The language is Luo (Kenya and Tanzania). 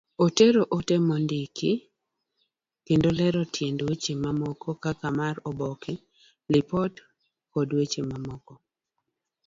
Otero ote mondiki kendo lero tiend weche moko kaka mar oboke, lipot, koda mamoko.